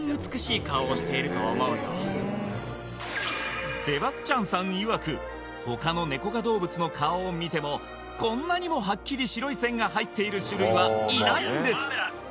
僕はセバスチャンさんいわく他のネコ科動物の顔を見てもこんなにもはっきり白い線が入っている種類はいないんです